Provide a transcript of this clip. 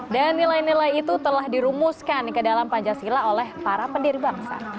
dan nilai nilai itu telah dirumuskan ke dalam pancasila oleh para pendiri bangsa